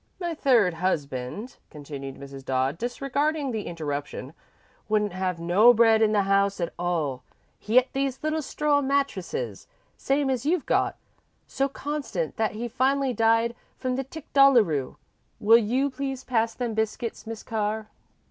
"My third husband," continued Mrs. Dodd, disregarding the interruption, "wouldn't have no bread in the house at all. He et these little straw mattresses, same as you've got, so constant that he finally died from the tic doleroo. Will you please pass me them biscuits, Mis' Carr?"